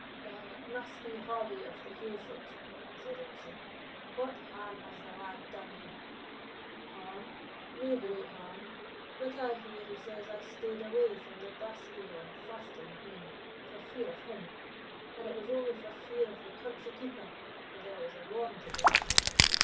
"Then it must be Hobbie of the Heugh foot," said Elshie. "What harm has the lad done you?" "Harm! nae great harm; but I hear he says I staid away from the Ba'spiel on Fastern's E'en, for fear of him; and it was only for fear of the Country Keeper, for there was a warrant against me.